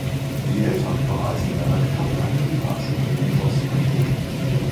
Die Eltern von Eisenberg hatten eine Privatschule in Boston.